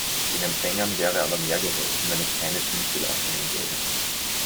Den Empfängern wäre aber mehr geholfen, wenn es keine Zinsbelastungen gäbe.